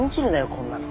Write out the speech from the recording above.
こんなの。